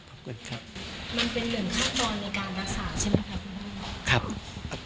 มันเป็นเหลืองทักลอนในการรักษาใช่ไหมครับคุณพ่อ